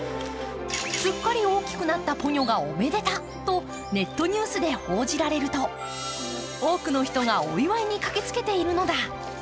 すっかり大きくなったポニョがおめでたとネットニュースで報じられると多くの人がお祝いに駆けつけているのだ。